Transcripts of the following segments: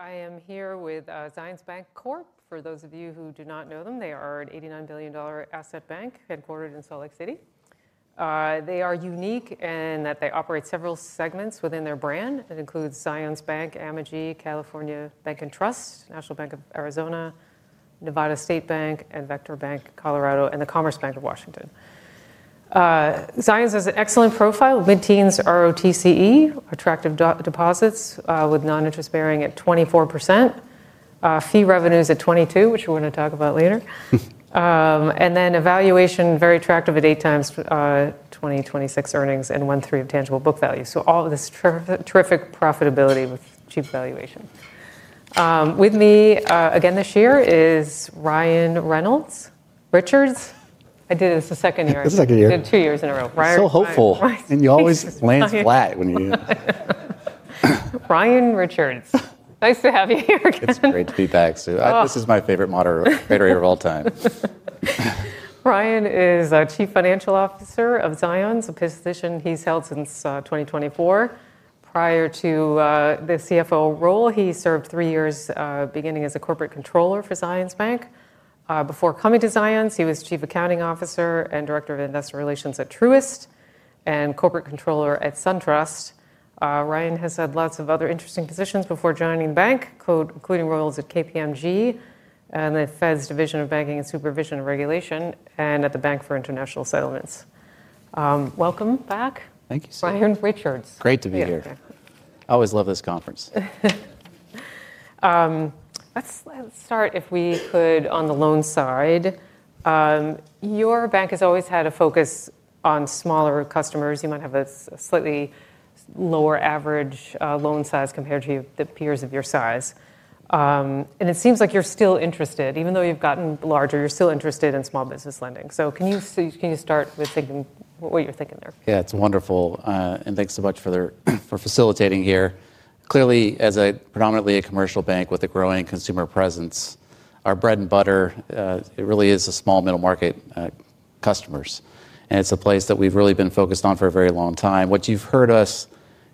I am here with Zions Bancorporation. For those of you who do not know them, they are an $89 billion asset bank headquartered in Salt Lake City. They are unique in that they operate several segments within their brand. It includes Zions Bank, Amegy, California Bank & Trust, National Bank of Arizona, Nevada State Bank, and Vectra Bank Colorado, and the Commerce Bank of Washington. Zions has an excellent profile: mid-teens ROTCE, attractive deposits with non-interest bearing at 24%. Fee revenues at 22%, which we're going to talk about later. Valuation very attractive at 8x 2026 earnings and 1/3 of tangible book value. All this terrific profitability with cheap valuation. With me again this year is Ryan Richards. I did it as a second year. As a second year. Two years in a row. Hopeful. And you always land flat when you. Ryan Richards. Nice to have you here. It's great to be back, Sue. This is my favorite moderator of all time. Ryan is Chief Financial Officer of Zions, a position he's held since 2024. Prior to the CFO role, he served three years beginning as a Corporate Controller for Zions Bank. Before coming to Zions, he was Chief Accounting Officer and Director of Investor Relations at Truist and Corporate Controller at SunTrust. Ryan has had lots of other interesting positions before joining the bank, including roles at KPMG and the Fed's Division of Banking Supervision and Regulation and at the Bank for International Settlements. Welcome back. Thank you, Sue. Ryan Richards. Great to be here. I always love this conference. Let's start, if we could, on the loan side. Your bank has always had a focus on smaller customers. You might have a slightly lower average loan size compared to the peers of your size. It seems like you're still interested, even though you've gotten larger, you're still interested in small business lending. Can you start with what you're thinking there? Yeah, it's wonderful. Thanks so much for facilitating here. Clearly, as a predominantly commercial bank with a growing consumer presence, our bread and butter really is the small middle market customers. It's a place that we've really been focused on for a very long time. What you've heard us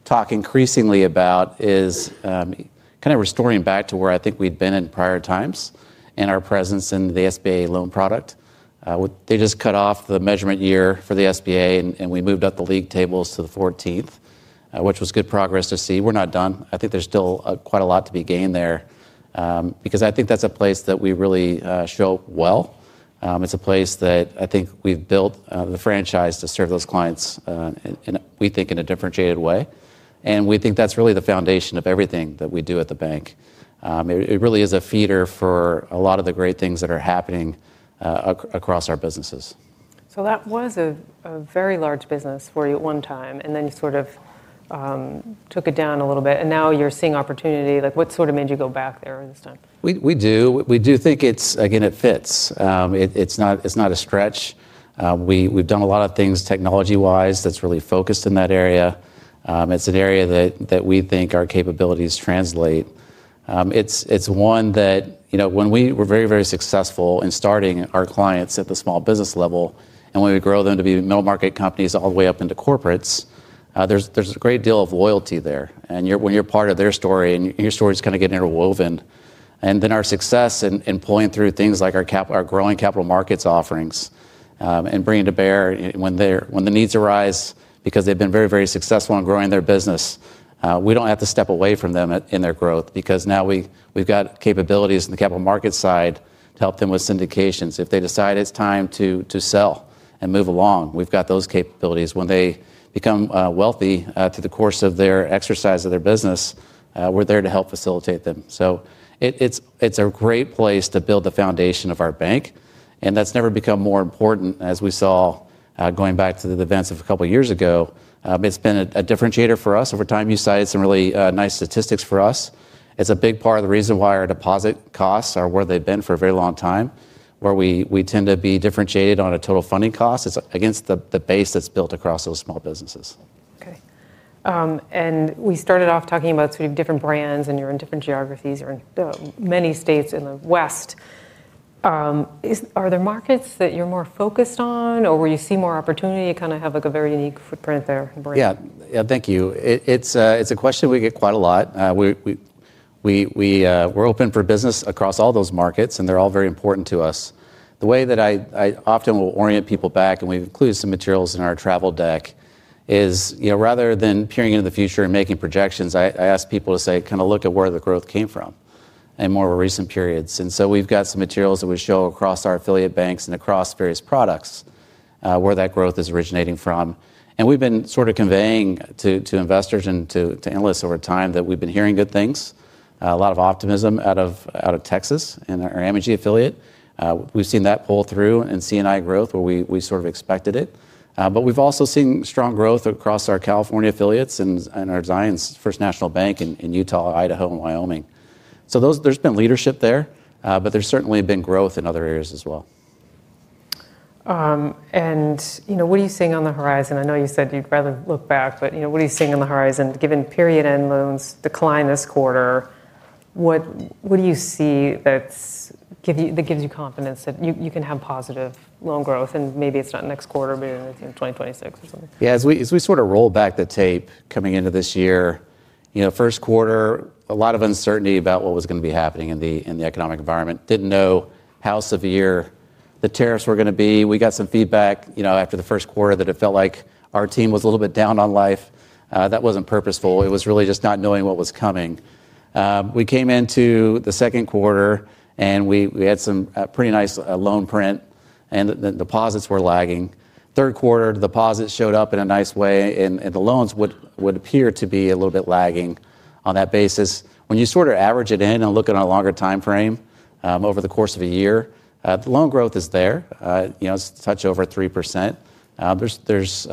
talk increasingly about is kind of restoring back to where I think we'd been in prior times and our presence in the SBA loan product. They just cut off the measurement year for the SBA, and we moved up the league tables to the 14th, which was good progress to see. We're not done. I think there's still quite a lot to be gained there because I think that's a place that we really show well. It's a place that I think we've built the franchise to serve those clients, and we think in a differentiated way. We think that's really the foundation of everything that we do at the bank. It really is a feeder for a lot of the great things that are happening across our businesses. That was a very large business for you at one time, and then you sort of took it down a little bit. Now you're seeing opportunity. What sort of made you go back there this time? We do. We do think it's, again, it fits. It's not a stretch. We've done a lot of things technology-wise that's really focused in that area. It's an area that we think our capabilities translate. It's one that, you know, when we were very, very successful in starting our clients at the small business level and when we grow them to be middle market companies all the way up into corporates, there's a great deal of loyalty there. When you're part of their story and your story is kind of getting interwoven, our success in pulling through things like our growing capital markets offerings and bringing to bear when the needs arise because they've been very, very successful in growing their business, we don't have to step away from them in their growth because now we've got capabilities in the capital market side to help them with syndications. If they decide it's time to sell and move along, we've got those capabilities. When they become wealthy through the course of their exercise of their business, we're there to help facilitate them. It's a great place to build the foundation of our bank. That's never become more important as we saw going back to the events of a couple of years ago. It's been a differentiator for us over time. You cited some really nice statistics for us. It's a big part of the reason why our deposit costs are where they've been for a very long time, where we tend to be differentiated on a total funding cost. It's against the base that's built across those small businesses. Okay. We started off talking about sort of different brands and you're in different geographies, you're in many states in the West. Are there markets that you're more focused on or where you see more opportunity to kind of have a very unique footprint there? Yeah, yeah, thank you. It's a question we get quite a lot. We're open for business across all those markets, and they're all very important to us. The way that I often will orient people back, and we've included some materials in our travel deck, is rather than peering into the future and making projections, I ask people to say, kind of look at where the growth came from in more of a recent period. And so we've got some materials that we show across our affiliate banks and across various products where that growth is originating from. We've been sort of conveying to investors and to analysts over time that we've been hearing good things, a lot of optimism out of Texas and our Amegy affiliate. We've seen that pull through in C&I growth -we sort of expected it. We have also seen strong growth across our California affiliates and our Zions Bank in Utah, Idaho, and Wyoming. There has been leadership there, but there has certainly been growth in other areas as well. What are you seeing on the horizon? I know you said you'd rather look back, but what are you seeing on the horizon given period-end loans decline this quarter? What do you see that gives you confidence that you can have positive loan growth? Maybe it's not next quarter, but in 2026 or something. Yeah, as we sort of roll back the tape coming into this year, you know, first quarter, a lot of uncertainty about what was going to be happening in the economic environment. Didn't know how severe the tariffs were going to be. We got some feedback after the first quarter that it felt like our team was a little bit down on life. That wasn't purposeful. It was really just not knowing what was coming. We came into the second quarter and we had some pretty nice loan print and the deposits were lagging. Third quarter, the deposits showed up in a nice way and the loans would appear to be a little bit lagging on that basis. When you sort of average it in and look at a longer time frame over the course of a year, the loan growth is there. It's touched over 3%. There's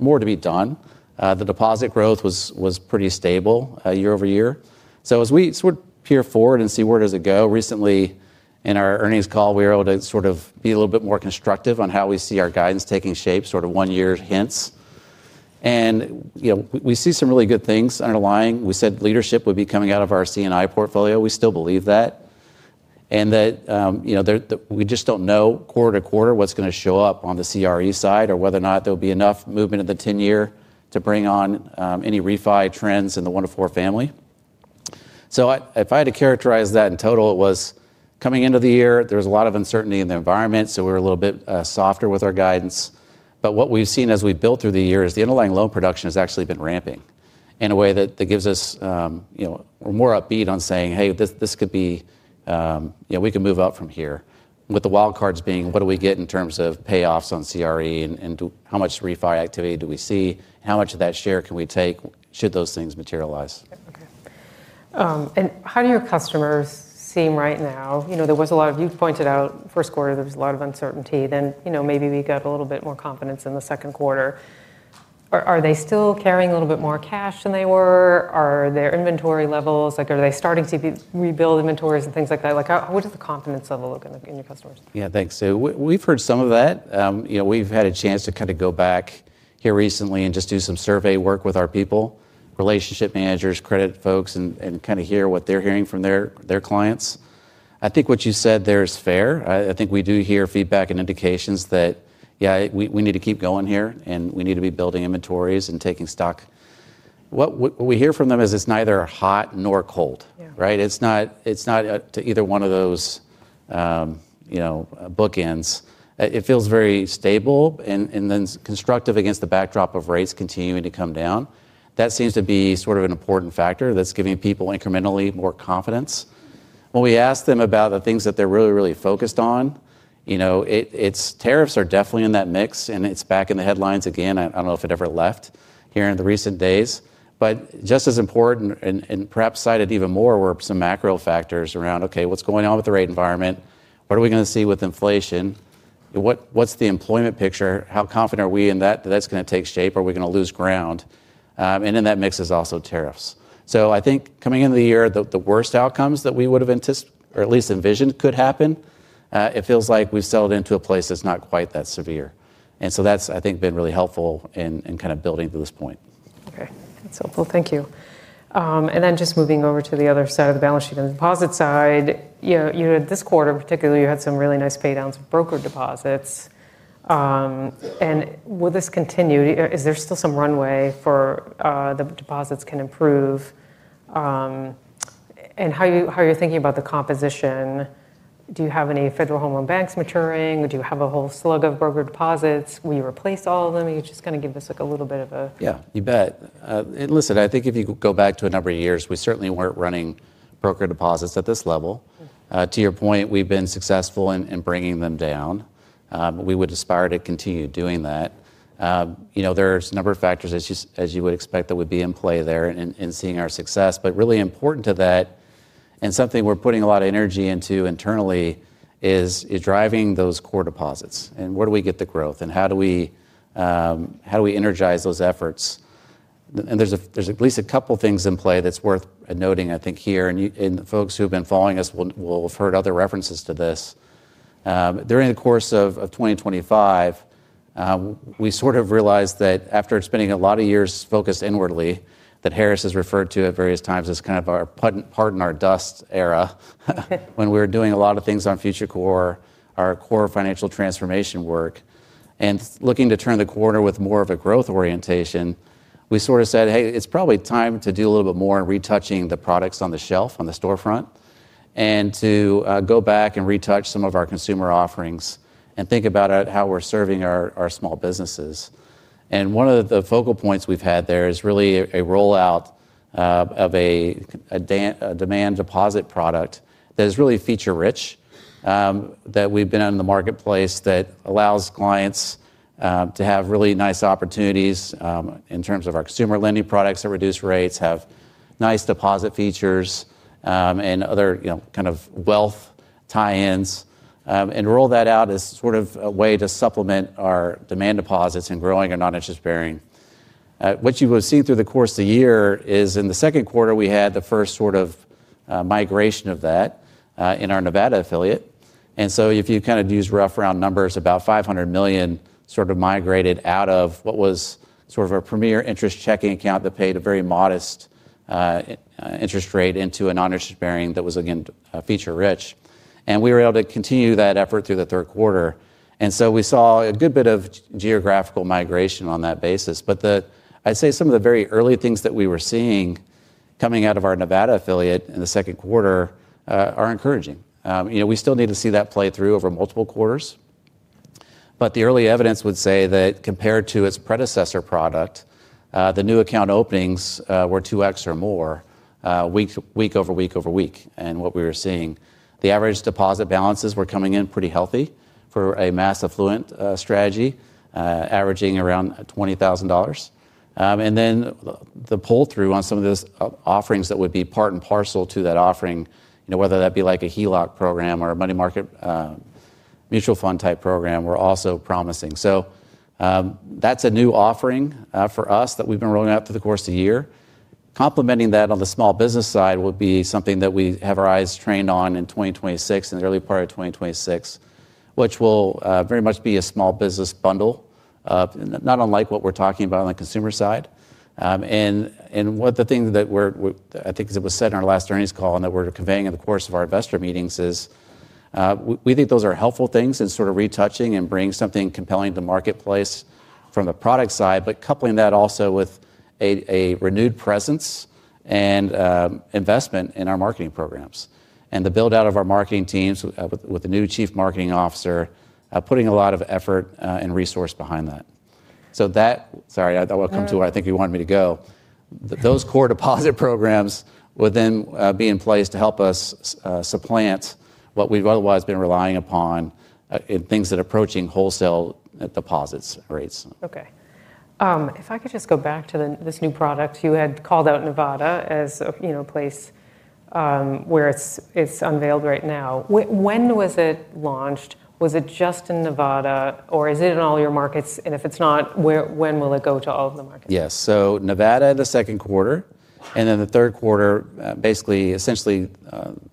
more to be done. The deposit growth was pretty stable year-over-year. As we sort of peer forward and see where does it go, recently in our earnings call, we were able to sort of be a little bit more constructive on how we see our guidance taking shape, sort of one-year hints. We see some really good things underlying. We said leadership would be coming out of our C&I portfolio. We still believe that. We just do not know quarter to quarter what is going to show up on the CRE side or whether or not there will be enough movement in the 10-year to bring on any refi trends in the 1-4 family. If I had to characterize that in total, it was coming into the year, there was a lot of uncertainty in the environment, so we were a little bit softer with our guidance. What we've seen as we've built through the year is the underlying loan production has actually been ramping in a way that gives us more upbeat on saying, hey, this could be, you know, we can move up from here. The wild cards being, what do we get in terms of payoffs on CRE and how much refi activity do we see? How much of that share can we take should those things materialize? Okay. How do your customers seem right now? You know, there was a lot of, you've pointed out, first quarter, there was a lot of uncertainty. You know, maybe we got a little bit more confidence in the second quarter. Are they still carrying a little bit more cash than they were? Are their inventory levels, like, are they starting to rebuild inventories and things like that? Like, what does the confidence level look like in your customers? Yeah, thanks, Sue. We've heard some of that. You know, we've had a chance to kind of go back here recently and just do some survey work with our people, relationship managers, credit folks, and kind of hear what they're hearing from their clients. I think what you said there is fair. I think we do hear feedback and indications that, yeah, we need to keep going here and we need to be building inventories and taking stock. What we hear from them is it's neither hot nor cold, right? It's not to either one of those bookends. It feels very stable and then constructive against the backdrop of rates continuing to come down. That seems to be sort of an important factor that's giving people incrementally more confidence. When we ask them about the things that they're really, really focused on, you know, tariffs are definitely in that mix and it's back in the headlines again. I don't know if it ever left here in the recent days. Just as important and perhaps cited even more were some macro factors around, okay, what's going on with the rate environment? What are we going to see with inflation? What's the employment picture? How confident are we in that? That's going to take shape. Are we going to lose ground? In that mix is also tariffs. I think coming into the year, the worst outcomes that we would have anticipated or at least envisioned could happen, it feels like we've settled into a place that's not quite that severe. That's, I think, been really helpful in kind of building to this point. Okay. That's helpful. Thank you. And then just moving over to the other side of the balance sheet and deposit side, you know, this quarter in particular, you had some really nice paydowns for brokered deposits. Will this continue? Is there still some runway for the deposits can improve? How are you thinking about the composition? Do you have any Federal Home Loan Banks maturing? Do you have a whole slug of brokered deposits? Will you replace all of them? You're just going to give us like a little bit of a... Yeah, you bet. Listen, I think if you go back to a number of years, we certainly were not running brokered deposits at this level. To your point, we have been successful in bringing them down. We would aspire to continue doing that. You know, there are a number of factors, as you would expect, that would be in play there in seeing our success. Really important to that, and something we are putting a lot of energy into internally, is driving those core deposits. Where do we get the growth? How do we energize those efforts? There are at least a couple of things in play that are worth noting, I think, here. The folks who have been following us will have heard other references to this. During the course of 2025. We sort of realized that after spending a lot of years focused inwardly, that Harris has referred to at various times as kind of our, pardon our dust era, when we were doing a lot of things on future core, our core financial transformation work, and looking to turn the corner with more of a growth orientation, we sort of said, hey, it's probably time to do a little bit more in retouching the products on the shelf, on the storefront, and to go back and retouch some of our consumer offerings and think about how we're serving our small businesses. One of the focal points we've had there is really a rollout of a demand deposit product that is really feature-rich. That we've been in the marketplace that allows clients to have really nice opportunities in terms of our consumer lending products that reduce rates, have nice deposit features, and other kind of wealth tie-ins. Roll that out as sort of a way to supplement our demand deposits and growing our non-interest bearing. What you will see through the course of the year is in the second quarter, we had the first sort of migration of that in our Nevada affiliate. If you kind of use rough round numbers, about $500 million sort of migrated out of what was sort of a premier interest checking account that paid a very modest interest rate into a non-interest bearing that was, again, feature-rich. We were able to continue that effort through the third quarter, and we saw a good bit of geographical migration on that basis. I'd say some of the very early things that we were seeing coming out of our Nevada affiliate in the second quarter are encouraging. You know, we still need to see that play through over multiple quarters. The early evidence would say that compared to its predecessor product, the new account openings were 2x or more, week over week over week. What we were seeing, the average deposit balances were coming in pretty healthy for a mass affluent strategy, averaging around $20,000. The pull through on some of those offerings that would be part and parcel to that offering, you know, whether that be like a HELOC program or a money market, mutual fund type program, were also promising. That's a new offering for us that we've been rolling out through the course of the year. Complementing that on the small business side would be something that we have our eyes trained on in 2026, in the early part of 2026, which will very much be a small business bundle. Not unlike what we're talking about on the consumer side. One of the things that I think was said in our last earnings call and that we're conveying in the course of our investor meetings is we think those are helpful things in sort of retouching and bringing something compelling to the marketplace from the product side, but coupling that also with a renewed presence and investment in our marketing programs and the build-out of our marketing teams with the new Chief Marketing Officer, putting a lot of effort and resource behind that. That will come to where I think you wanted me to go. Those core deposit programs would then be in place to help us supplant what we've otherwise been relying upon in things that are approaching wholesale deposit rates. Okay. If I could just go back to this new product, you had called out Nevada as a place where it's unveiled right now. When was it launched? Was it just in Nevada or is it in all your markets? If it's not, when will it go to all of the markets? Yes. Nevada in the second quarter and then the third quarter, basically, essentially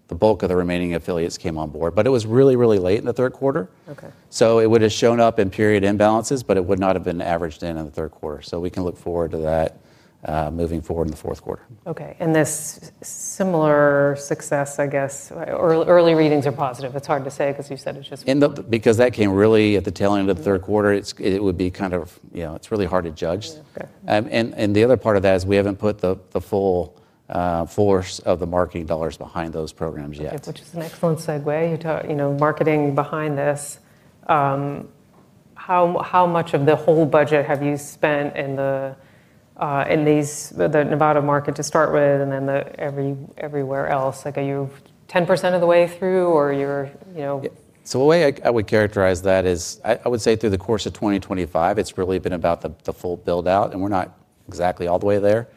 the bulk of the remaining affiliates came on board. It was really, really late in the third quarter. It would have shown up in period-end balances, but it would not have been averaged in in the third quarter. We can look forward to that moving forward in the fourth quarter. Okay. This similar success, I guess, or early readings are positive. It's hard to say because you said it's just... Because that came really at the tail end of the third quarter. It would be kind of, you know, it's really hard to judge. The other part of that is we haven't put the full force of the marketing dollars behind those programs yet. Which is an excellent segue. You talk, you know, marketing behind this. How much of the whole budget have you spent in the Nevada market to start with and then everywhere else? Like, are you 10% of the way through or you're, you know... The way I would characterize that is I would say through the course of 2025, it has really been about the full build-out and we are not exactly all the way there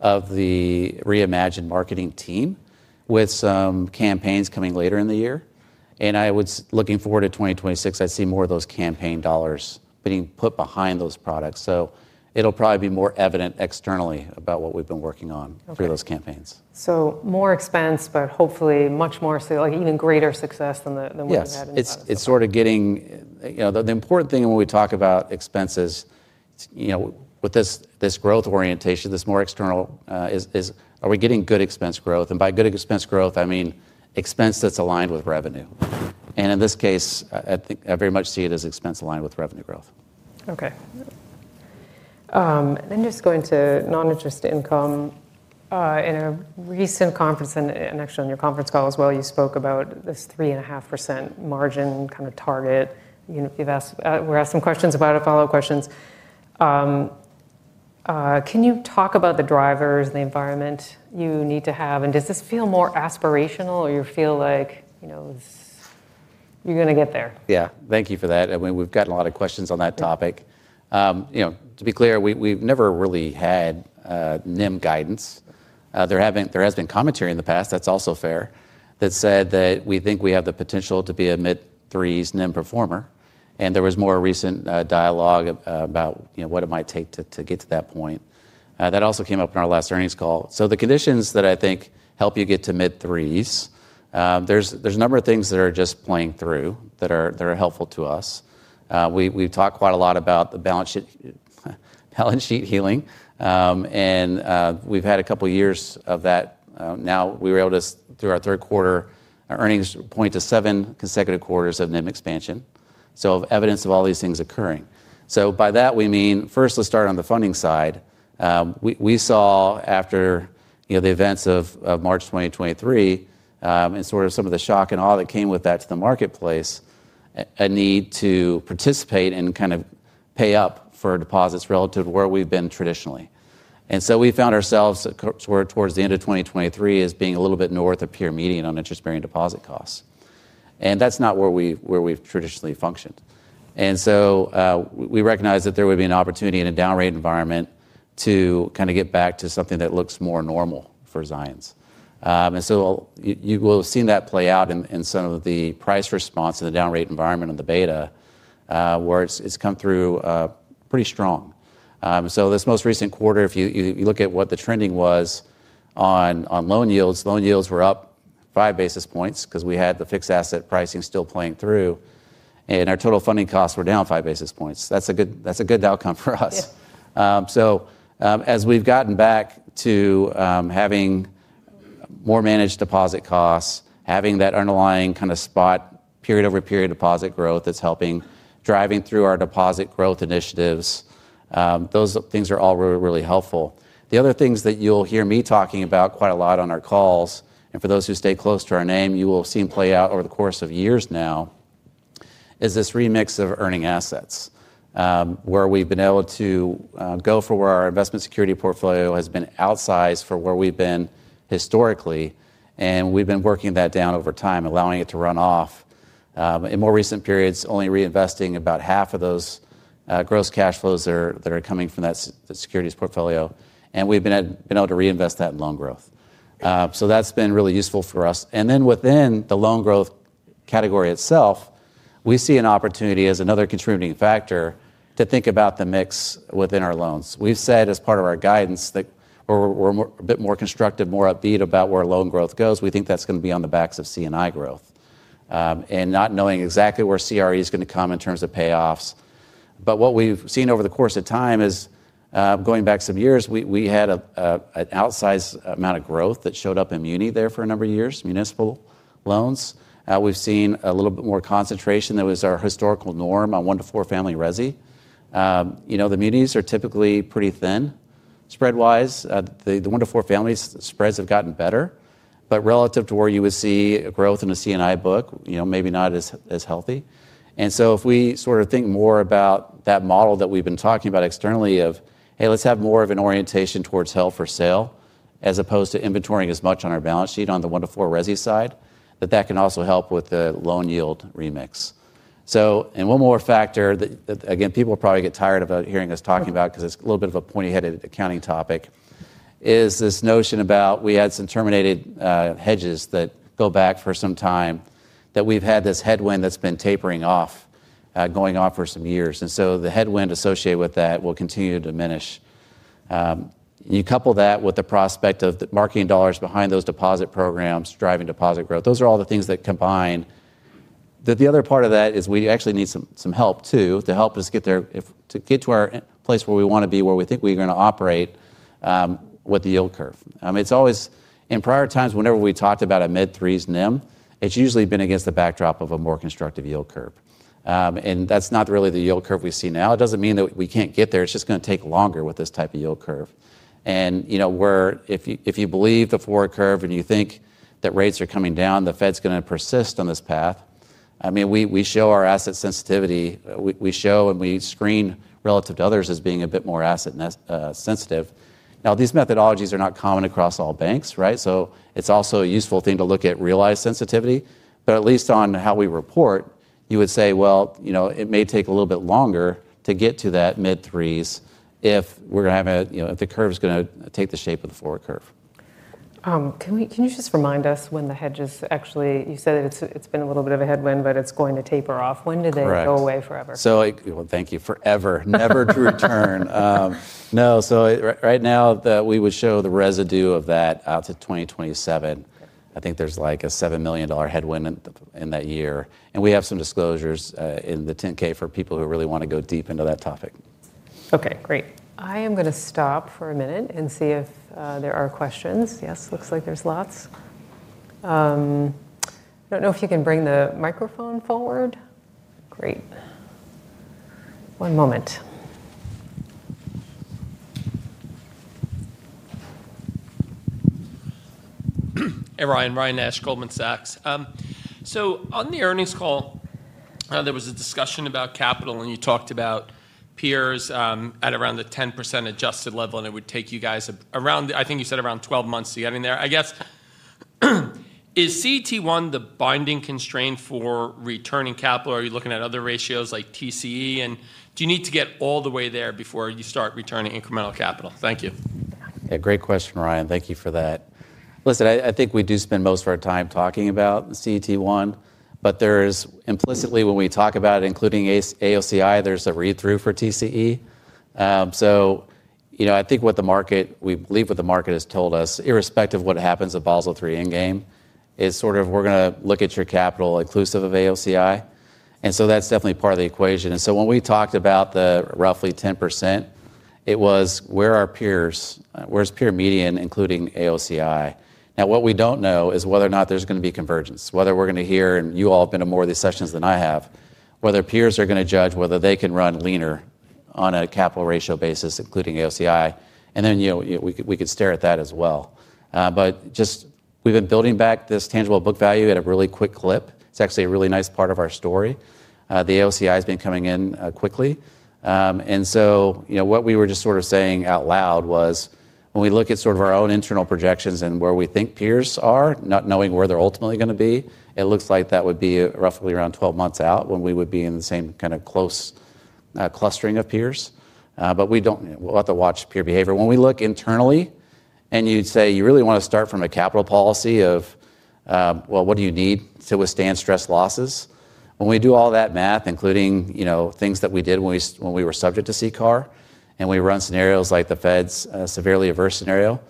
of the reimagined marketing team with some campaigns coming later in the year. I was looking forward to 2026. I would see more of those campaign dollars being put behind those products. It will probably be more evident externally about what we have been working on for those campaigns. More expense, but hopefully much more so, like even greater success than what we've had in the past. Yeah. It's sort of getting, you know, the important thing when we talk about expenses, you know, with this growth orientation, this more external is, are we getting good expense growth? By good expense growth, I mean expense that's aligned with revenue. In this case, I very much see it as expense aligned with revenue growth. Okay. Just going to non-interest income. In a recent conference and actually on your conference call as well, you spoke about this 3.5% margin kind of target. We asked some questions about it, follow-up questions. Can you talk about the drivers and the environment you need to have? Does this feel more aspirational or you feel like, you know, you're going to get there? Yeah. Thank you for that. I mean, we've gotten a lot of questions on that topic. You know, to be clear, we've never really had NIM guidance. There has been commentary in the past, that's also fair, that said that we think we have the potential to be a mid-threes NIM performer. There was more recent dialogue about what it might take to get to that point. That also came up in our last earnings call. The conditions that I think help you get to mid-threes, there's a number of things that are just playing through that are helpful to us. We've talked quite a lot about the balance sheet healing. We've had a couple of years of that. Now we were able to, through our third quarter, our earnings point to seven consecutive quarters of NIM expansion. Evidence of all these things occurring. By that, we mean, first, let's start on the funding side. We saw after, you know, the events of March 2023 and sort of some of the shock and awe that came with that to the marketplace, a need to participate and kind of pay up for deposits relative to where we've been traditionally. We found ourselves towards the end of 2023 as being a little bit north of peer median on interest-bearing deposit costs. That's not where we've traditionally functioned. We recognize that there would be an opportunity in a down-rate environment to kind of get back to something that looks more normal for Zions. You will have seen that play out in some of the price response in the down-rate environment on the beta, where it's come through pretty strong. This most recent quarter, if you look at what the trending was. On loan yields, loan yields were up five basis points because we had the fixed asset pricing still playing through. Our total funding costs were down five basis points. That is a good outcome for us. As we have gotten back to having more managed deposit costs, having that underlying kind of spot period over period deposit growth that is helping drive through our deposit growth initiatives, those things are all really, really helpful. The other things that you will hear me talking about quite a lot on our calls, and for those who stay close to our name, you will have seen play out over the course of years now, is this remix of earning assets. Where we have been able to go for where our investment security portfolio has been outsized for where we have been historically. We have been working that down over time, allowing it to run off. In more recent periods, only reinvesting about half of those gross cash flows that are coming from that securities portfolio. We have been able to reinvest that in loan growth. That has been really useful for us. Within the loan growth category itself, we see an opportunity as another contributing factor to think about the mix within our loans. We have said as part of our guidance that we are a bit more constructive, more upbeat about where loan growth goes. We think that is going to be on the backs of C&I growth, not knowing exactly where CRE is going to come in terms of payoffs. What we've seen over the course of time is going back some years, we had an outsized amount of growth that showed up in munis there for a number of years, municipal loans. We've seen a little bit more concentration. That was our historical norm on one to four family resi. You know, the munis are typically pretty thin spread-wise. The one to four family spreads have gotten better, but relative to where you would see growth in a C&I book, you know, maybe not as healthy. If we sort of think more about that model that we've been talking about externally of, hey, let's have more of an orientation towards health for sale as opposed to inventorying as much on our balance sheet on the one to four resi side, that can also help with the loan yield remix. One more factor that, again, people will probably get tired of hearing us talking about because it's a little bit of a pointy-headed accounting topic, is this notion about we had some terminated hedges that go back for some time that we've had this headwind that's been tapering off. Going off for some years. The headwind associated with that will continue to diminish. You couple that with the prospect of the marketing dollars behind those deposit programs, driving deposit growth. Those are all the things that combine. The other part of that is we actually need some help too, to help us get there, to get to our place where we want to be, where we think we're going to operate. With the yield curve. It's always, in prior times, whenever we talked about a mid-threes NIM, it's usually been against the backdrop of a more constructive yield curve. That's not really the yield curve we see now. It doesn't mean that we can't get there. It's just going to take longer with this type of yield curve. You know, where if you believe the forward curve and you think that rates are coming down, the Fed's going to persist on this path. I mean, we show our asset sensitivity, we show and we screen relative to others as being a bit more asset sensitive. Now, these methodologies are not common across all banks, right? It's also a useful thing to look at realized sensitivity, but at least on how we report, you would say, well, you know, it may take a little bit longer to get to that mid-threes if we're going to have a, you know, if the curve is going to take the shape of the forward curve. Can you just remind us when the hedges actually, you said it's been a little bit of a headwind, but it's going to taper off. When do they go away forever? Right. So, thank you. Forever. Never to return. No, so right now that we would show the residue of that out to 2027, I think there's like a $7 million headwind in that year. And we have some disclosures in the 10-K for people who really want to go deep into that topic. Okay, great. I am going to stop for a minute and see if there are questions. Yes, looks like there's lots. I do not know if you can bring the microphone forward. Great. One moment. Hey, Ryan, Ryan Nash, Goldman Sachs. On the earnings call, there was a discussion about capital and you talked about peers at around the 10% adjusted level and it would take you guys around, I think you said around 12 months to get in there. I guess, is CET1 the binding constraint for returning capital? Are you looking at other ratios like TCE and do you need to get all the way there before you start returning incremental capital? Thank you. Yeah, great question, Ryan. Thank you for that. Listen, I think we do spend most of our time talking about CET1, but there is implicitly when we talk about it, including AOCI, there's a read-through for TCE. So, you know, I think what the market, we believe what the market has told us, irrespective of what happens at Basel III Endgame, is sort of we're going to look at your capital inclusive of AOCI. That is definitely part of the equation. When we talked about the roughly 10%, it was where are peers, where's peer median, including AOCI? Now, what we do not know is whether or not there is going to be convergence, whether we are going to hear, and you all have been in more of these sessions than I have, whether peers are going to judge whether they can run leaner on a capital ratio basis, including AOCI. You know, we could stare at that as well. We have been building back this tangible book value at a really quick clip. It is actually a really nice part of our story. The AOCI has been coming in quickly. You know, what we were just sort of saying out loud was when we look at sort of our own internal projections and where we think peers are, not knowing where they're ultimately going to be, it looks like that would be roughly around 12 months out when we would be in the same kind of close clustering of peers. We do not have to watch peer behavior. When we look internally and you'd say you really want to start from a capital policy of, well, what do you need to withstand stress losses? When we do all that math, including, you know, things that we did when we were subject to CCAR and we run scenarios like the Fed's severely adverse scenario,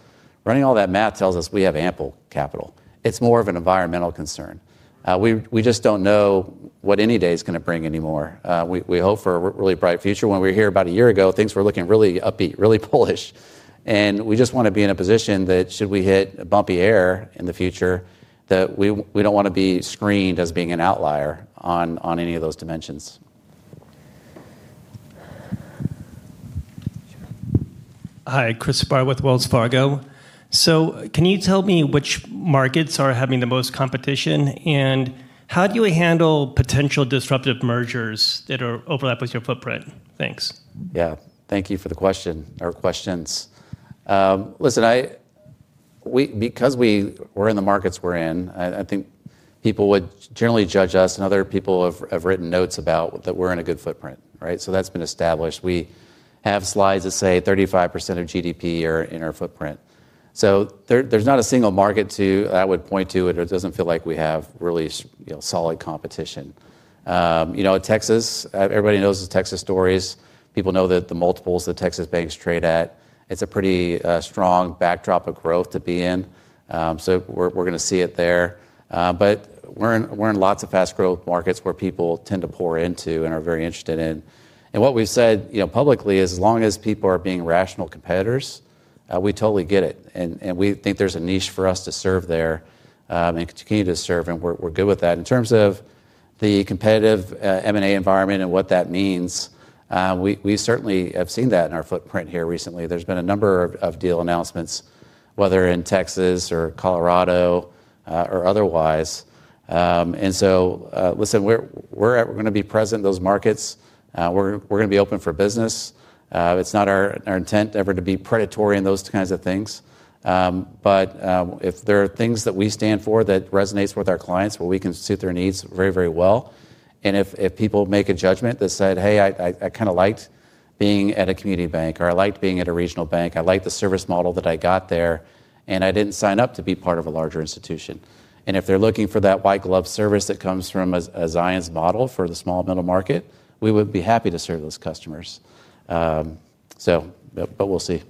running all that math tells us we have ample capital. It's more of an environmental concern. We just do not know what any day is going to bring anymore. We hope for a really bright future. When we were here about a year ago, things were looking really upbeat, really bullish. We just want to be in a position that should we hit a bumpy air in the future, we do not want to be screened as being an outlier on any of those dimensions. Hi, Chris Bar with Wells Fargo. Can you tell me which markets are having the most competition and how do you handle potential disruptive mergers that are overlapped with your footprint? Thanks. Yeah, thank you for the question or questions. Listen. Because we're in the markets we're in, I think people would generally judge us and other people have written notes about that we're in a good footprint, right? That's been established. We have slides that say 35% of GDP are in our footprint. There's not a single market that I would point to where it doesn't feel like we have really solid competition. You know, Texas, everybody knows the Texas stories. People know that the multiples that Texas banks trade at, it's a pretty strong backdrop of growth to be in. We're going to see it there. We're in lots of fast growth markets where people tend to pour into and are very interested in. What we've said, you know, publicly is as long as people are being rational competitors, we totally get it. We think there is a niche for us to serve there and continue to serve. We are good with that. In terms of the competitive M&A environment and what that means, we certainly have seen that in our footprint here recently. There have been a number of deal announcements, whether in Texas or Colorado or otherwise. We are going to be present in those markets. We are going to be open for business. It is not our intent ever to be predatory in those kinds of things. If there are things that we stand for that resonate with our clients, where we can suit their needs very, very well. If people make a judgment that said, hey, I kind of liked being at a community bank or I liked being at a regional bank, I liked the service model that I got there, and I did not sign up to be part of a larger institution. If they are looking for that white glove service that comes from a Zions model for the small middle market, we would be happy to serve those customers. We will see.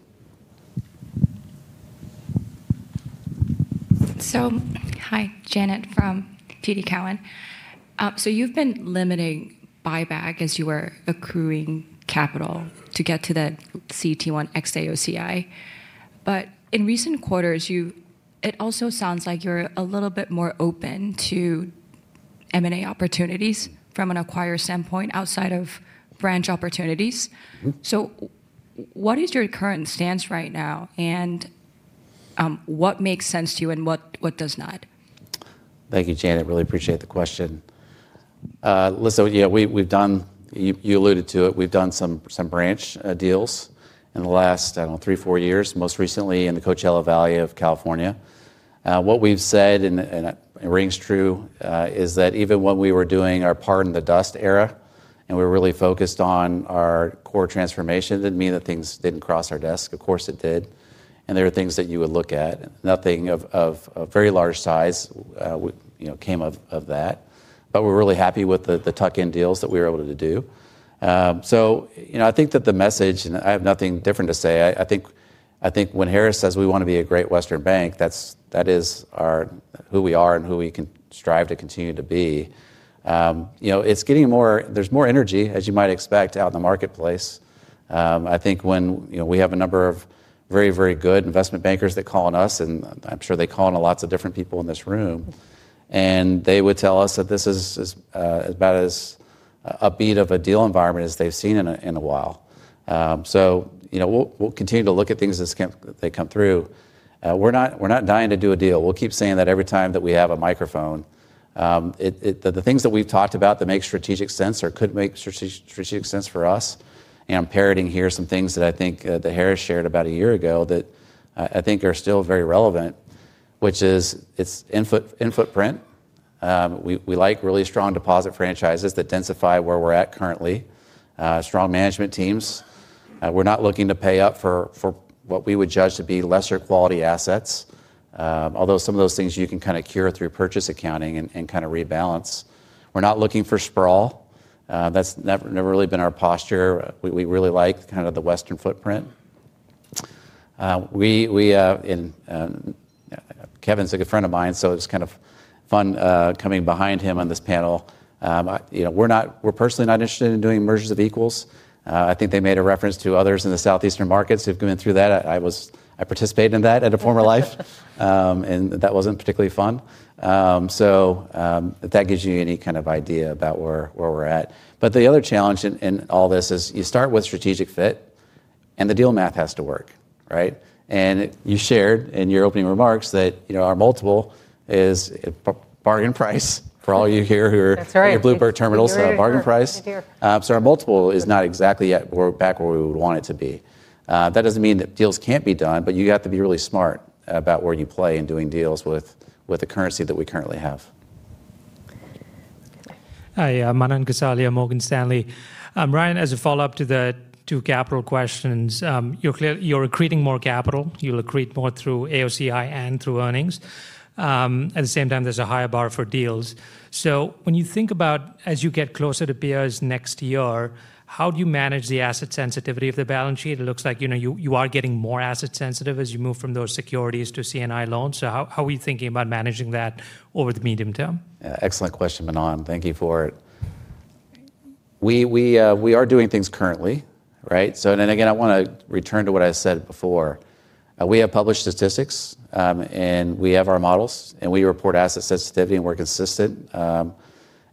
Hi, Janet from TD Cowen. You've been limiting buyback as you were accruing capital to get to the CET1 ex-AOCI. In recent quarters, it also sounds like you're a little bit more open to M&A opportunities from an acquirer standpoint outside of branch opportunities. What is your current stance right now, and what makes sense to you and what does not? Thank you, Janet. Really appreciate the question. Listen, you know, we've done, you alluded to it, we've done some branch deals in the last, I don't know, three, four years, most recently in the Coachella Valley of California. What we've said and it rings true is that even when we were doing our pardon the dust era and we were really focused on our core transformation, it didn't mean that things didn't cross our desk. Of course it did. There were things that you would look at. Nothing of very large size came of that. We are really happy with the tuck-in deals that we were able to do. You know, I think that the message, and I have nothing different to say, I think when Harris says we want to be a great Western bank, that is who we are and who we can strive to continue to be. You know, it's getting more, there's more energy, as you might expect, out in the marketplace. I think when, you know, we have a number of very, very good investment bankers that call on us, and I'm sure they call on lots of different people in this room, and they would tell us that this is as bad as upbeat of a deal environment as they've seen in a while. You know, we'll continue to look at things as they come through. We're not dying to do a deal. We'll keep saying that every time that we have a microphone. The things that we've talked about that make strategic sense or could make strategic sense for us. I'm parroting here some things that I think that Harris shared about a year ago that I think are still very relevant, which is its input footprint. We like really strong deposit franchises that densify where we're at currently. Strong management teams. We're not looking to pay up for what we would judge to be lesser quality assets. Although some of those things you can kind of cure through purchase accounting and kind of rebalance. We're not looking for sprawl. That's never really been our posture. We really like kind of the Western footprint. Kevin's a good friend of mine, so it was kind of fun coming behind him on this panel. You know, we're not, we're personally not interested in doing mergers of equals. I think they made a reference to others in the southeastern markets who've been through that. I participated in that at a former life. That wasn't particularly fun. That gives you any kind of idea about where we're at. The other challenge in all this is you start with strategic fit and the deal math has to work, right? You shared in your opening remarks that, you know, our multiple is bargain price for all you here who are in your bluebird terminals, bargain price. Our multiple is not exactly yet back where we would want it to be. That doesn't mean that deals can't be done, but you have to be really smart about where you play in doing deals with the currency that we currently have. Hi, Manan Gosali, Morgan Stanley. Ryan, as a follow-up to the two capital questions, you're accreting more capital. You'll accrete more through AOCI and through earnings. At the same time, there's a higher bar for deals. When you think about, as you get closer to peers next year, how do you manage the asset sensitivity of the balance sheet? It looks like, you know, you are getting more asset sensitive as you move from those securities to C&I loans. How are you thinking about managing that over the medium term? Excellent question, Manan. Thank you for it. We are doing things currently, right? I want to return to what I said before. We have published statistics and we have our models and we report asset sensitivity and we're consistent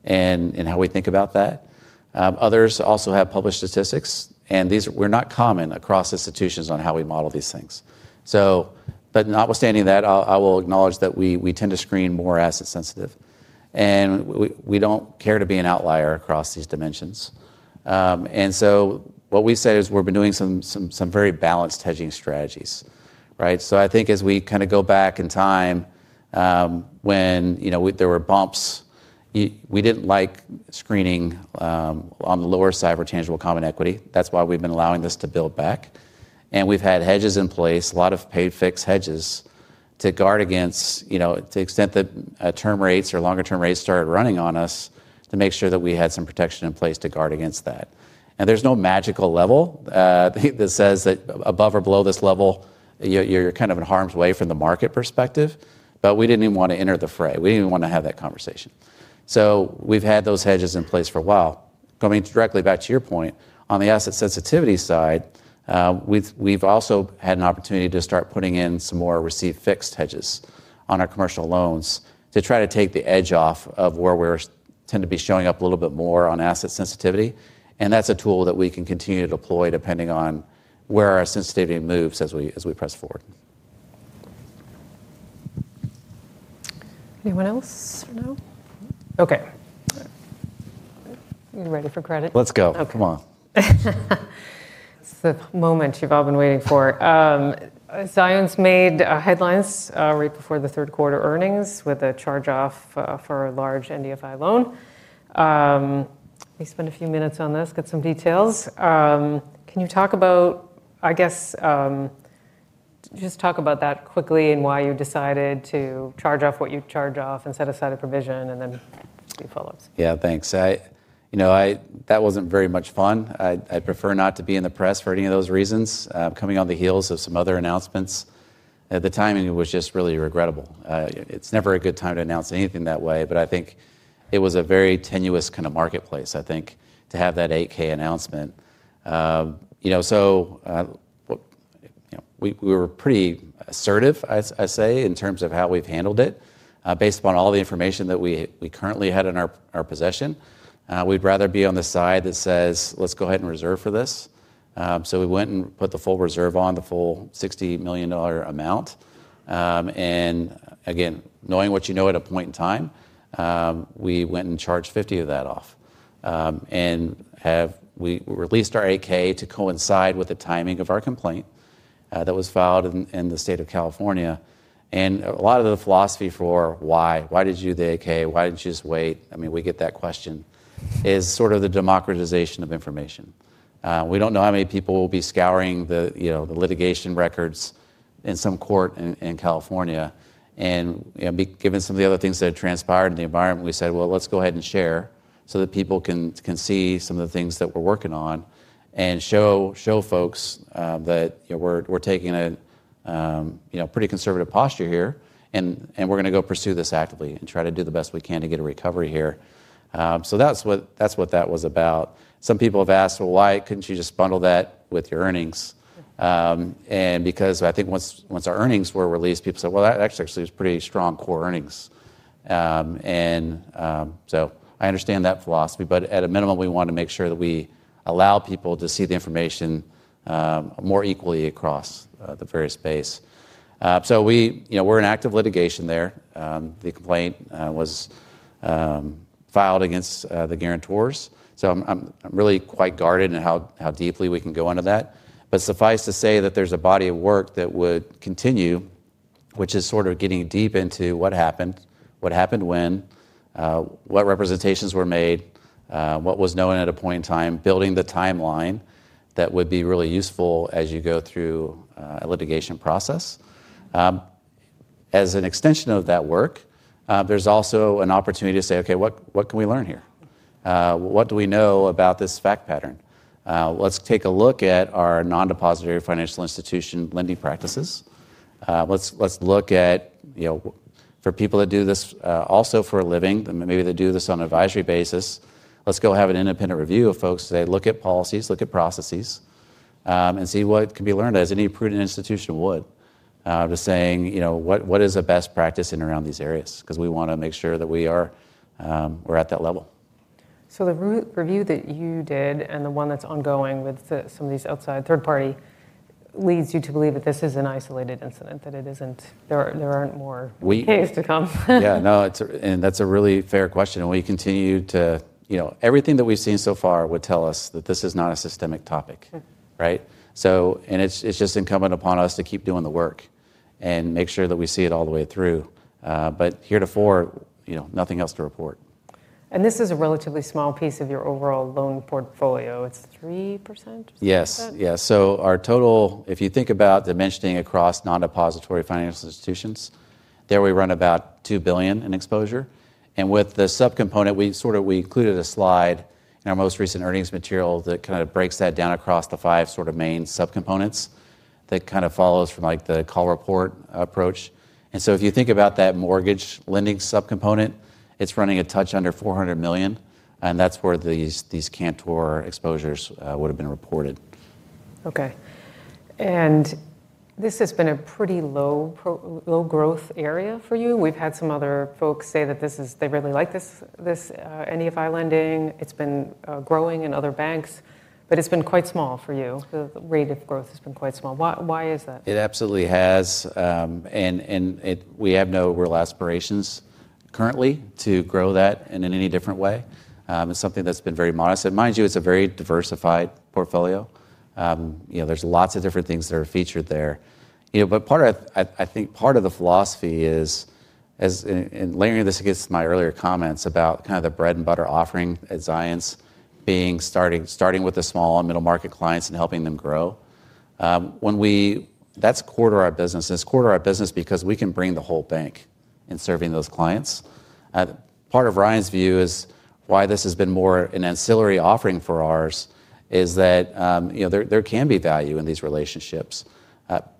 in how we think about that. Others also have published statistics and these are not common across institutions on how we model these things. Notwithstanding that, I will acknowledge that we tend to screen more asset sensitive. We do not care to be an outlier across these dimensions. What we say is we've been doing some very balanced hedging strategies, right? I think as we kind of go back in time, when there were bumps, we did not like screening on the lower side for tangible common equity. That is why we've been allowing this to build back. We have had hedges in place, a lot of paid fixed hedges to guard against, you know, to the extent that term rates or longer term rates started running on us to make sure that we had some protection in place to guard against that. There is no magical level that says that above or below this level, you are kind of in harm's way from the market perspective. We did not even want to enter the fray. We did not even want to have that conversation. We have had those hedges in place for a while. Going directly back to your point, on the asset sensitivity side, we have also had an opportunity to start putting in some more receipt fixed hedges on our commercial loans to try to take the edge off of where we tend to be showing up a little bit more on asset sensitivity. That is a tool that we can continue to deploy depending on where our sensitivity moves as we press forward. Anyone else for now? Okay. You ready for credit? Let's go. Come on. It's the moment you've all been waiting for. Zions made headlines right before the third quarter earnings with a charge-off for a large NDFI loan. We spent a few minutes on this, got some details. Can you talk about, I guess, just talk about that quickly and why you decided to charge off what you charge off and set aside a provision and then do follow-ups? Yeah, thanks. You know, that wasn't very much fun. I'd prefer not to be in the press for any of those reasons. Coming on the heels of some other announcements, the timing was just really regrettable. It's never a good time to announce anything that way, but I think it was a very tenuous kind of marketplace, I think, to have that 8K announcement. You know, we were pretty assertive, I say, in terms of how we've handled it. Based upon all the information that we currently had in our possession, we'd rather be on the side that says, let's go ahead and reserve for this. So we went and put the full reserve on the full $60 million amount. And again, knowing what you know at a point in time, we went and charged 50 of that off. We released our 8-K to coincide with the timing of our complaint that was filed in the state of California. A lot of the philosophy for why, why did you do the 8K? Why did you not just wait? I mean, we get that question. It is sort of the democratization of information. We do not know how many people will be scouring the litigation records in some court in California. Given some of the other things that had transpired in the environment, we said, let's go ahead and share so that people can see some of the things that we are working on and show folks that we are taking a pretty conservative posture here and we are going to go pursue this actively and try to do the best we can to get a recovery here. That is what that was about. Some people have asked, well, why could not you just bundle that with your earnings? Because I think once our earnings were released, people said, well, that actually was pretty strong core earnings. I understand that philosophy, but at a minimum, we want to make sure that we allow people to see the information more equally across the various space. We are in active litigation there. The complaint was filed against the guarantors. I am really quite guarded in how deeply we can go into that. Suffice to say that there is a body of work that would continue, which is sort of getting deep into what happened, what happened when, what representations were made, what was known at a point in time, building the timeline that would be really useful as you go through a litigation process. As an extension of that work, there's also an opportunity to say, okay, what can we learn here? What do we know about this fact pattern? Let's take a look at our non-depository financial institution lending practices. Let's look at, for people that do this also for a living, maybe they do this on an advisory basis. Let's go have an independent review of folks. They look at policies, look at processes, and see what can be learned, as any prudent institution would. Just saying, you know, what is the best practice in and around these areas? Because we want to make sure that we're at that level. The review that you did and the one that's ongoing with some of these outside third party leads you to believe that this is an isolated incident, that there aren't more days to come. Yeah, no, and that's a really fair question. We continue to, you know, everything that we've seen so far would tell us that this is not a systemic topic, right? It is just incumbent upon us to keep doing the work and make sure that we see it all the way through. Here to forward, you know, nothing else to report. This is a relatively small piece of your overall loan portfolio. It's 3%? Yes. Yeah. So our total, if you think about dimensioning across non-depository financial institutions, there we run about $2 billion in exposure. With the subcomponent, we sort of included a slide in our most recent earnings material that kind of breaks that down across the five sort of main subcomponents that kind of follows from like the call report approach. If you think about that mortgage lending subcomponent, it's running a touch under $400 million. That's where these Cantor exposures would have been reported. Okay. This has been a pretty low growth area for you. We've had some other folks say that this is, they really like this NDFI lending. It's been growing in other banks, but it's been quite small for you. The rate of growth has been quite small. Why is that? It absolutely has. We have no real aspirations currently to grow that in any different way. It's something that's been very modest. Mind you, it's a very diversified portfolio. You know, there's lots of different things that are featured there. You know, part of, I think part of the philosophy is layering this against my earlier comments about kind of the bread and butter offering at Zions, being starting with the small and middle market clients and helping them grow. That's core to our business. It's core to our business because we can bring the whole bank in serving those clients. Part of Ryan's view is why this has been more an ancillary offering for ours is that, you know, there can be value in these relationships.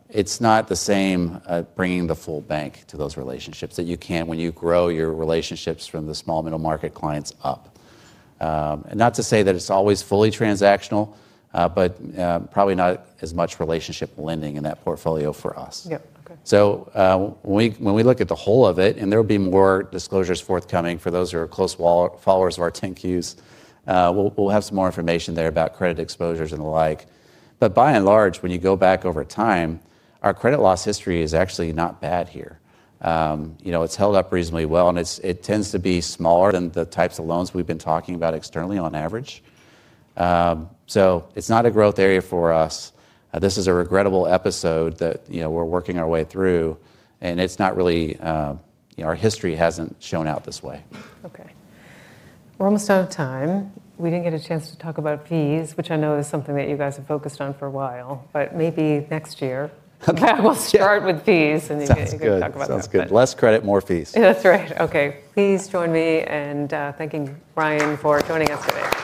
It's not the same bringing the full bank to those relationships that you can when you grow your relationships from the small and middle market clients up. Not to say that it's always fully transactional, but probably not as much relationship lending in that portfolio for us. Yep. Okay. When we look at the whole of it, and there will be more disclosures forthcoming for those who are close followers of our 10Qs, we'll have some more information there about credit exposures and the like. By and large, when you go back over time, our credit loss history is actually not bad here. You know, it's held up reasonably well and it tends to be smaller than the types of loans we've been talking about externally on average. It's not a growth area for us. This is a regrettable episode that, you know, we're working our way through. It's not really, you know, our history hasn't shown out this way. Okay. We're almost out of time. We didn't get a chance to talk about fees, which I know is something that you guys have focused on for a while, but maybe next year. Okay. We'll start with fees and you can talk about that. Sounds good. Less credit, more fees. That's right. Okay. Please join me in thanking Ryan for joining us today.